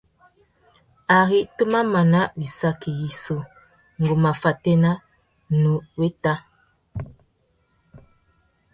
Ari tu má mana wissaki yissú, ngu má fatēna, nnú wéta.